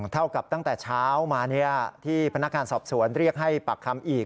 เท่ากับตั้งแต่เช้ามาที่พนักงานสอบสวนเรียกให้ปากคำอีก